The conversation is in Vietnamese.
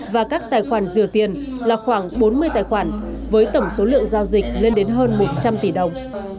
và các tài khoản rửa tiền là khoảng bốn mươi tài khoản với tổng số lượng giao dịch lên đến hơn một trăm linh tỷ đồng